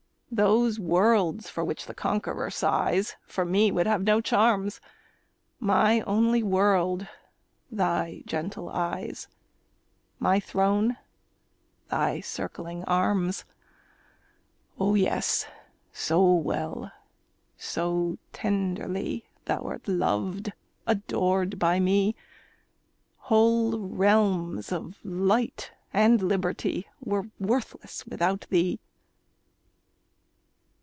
Those worlds for which the conqueror sighs For me would have no charms; My only world thy gentle eyes My throne thy circling arms! Oh, yes, so well, so tenderly Thou'rt loved, adored by me, Whole realms of light and liberty Were worthless without thee.